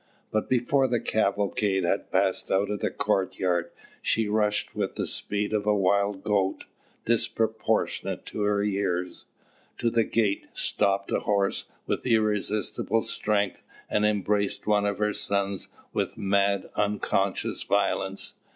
But before the cavalcade had passed out of the courtyard, she rushed with the speed of a wild goat, disproportionate to her years, to the gate, stopped a horse with irresistible strength, and embraced one of her sons with mad, unconscious violence.